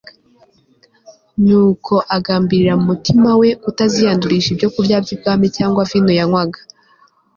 nuko agambirira mu mutima we kutaziyandurisha ibyokurya by'umwami cyangwa vino yanywaga